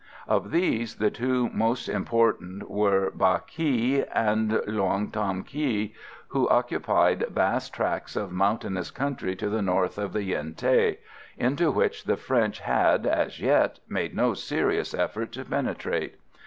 Of these, the two most important were Ba Ky and Luong Tam Ky, who occupied vast tracts of mountainous country to the north of the Yen Thé, into which the French had, as yet, made no serious effort to penetrate.